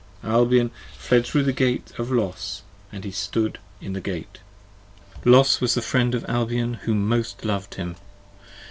Albion fled thro' the Gate of Los, and he stood in the Gate. Los was the friend of Albion who most lov'd him.